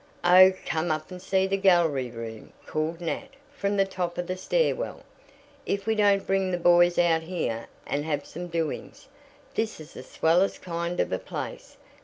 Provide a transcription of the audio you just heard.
"Oh, come up and see the gallery room," called Nat from the top of the stair well. "If we don't bring the boys out here and have some doings! This is the swellest kind of a place.